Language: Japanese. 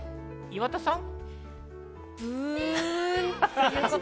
岩田さん？